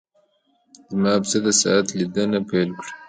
زما پسه د ساعت لیدنه پیل کړه.